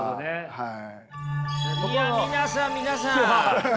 はい。